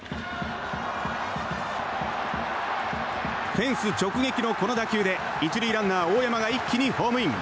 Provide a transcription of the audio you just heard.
フェンス直撃のこの打球で１塁ランナー、大山が一気にホームイン。